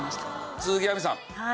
鈴木亜美さん。